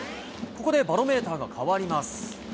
ここでバロメーターが変わります。